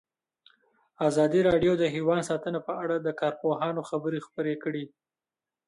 ازادي راډیو د حیوان ساتنه په اړه د کارپوهانو خبرې خپرې کړي.